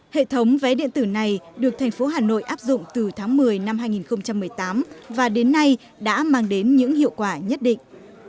hệ thống vé điện tử này được thành phố hà nội áp dụng từ tháng một mươi năm hai nghìn một mươi tám và đến nay đã mang đến những hiệu quả nhất định